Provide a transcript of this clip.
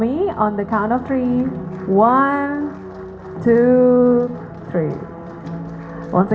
sekali lagi silakan pemerintah